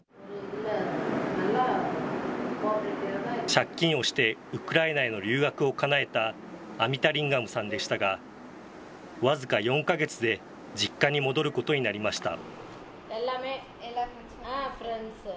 借金をしてウクライナへの留学をかなえたアミタリンガムさんでしたが、僅か４か月で実家に戻ることになりました。